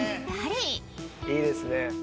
いいですね。